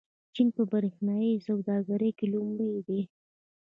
چین په برېښنايي سوداګرۍ کې لومړی دی.